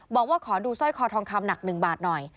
บอกว่าขอดูสร้อยคอทองคำหนัก๑บาทหน่อย